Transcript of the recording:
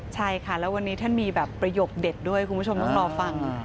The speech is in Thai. ใช่ค่ะแล้ววันนี้ท่านมีแบบประโยคเด็ดด้วยคุณผู้ชมต้องรอฟัง